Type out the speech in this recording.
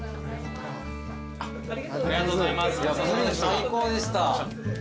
最高でした。